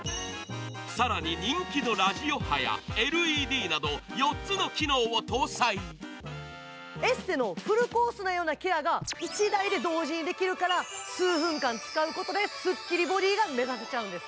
更に人気のラジオ波やＬＥＤなどエステのフルコースのようなケアが１台で同時にできるから数分間使うことでスッキリボディが目指せちゃうんです。